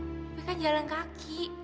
di sekolah tapi kan jalan kaki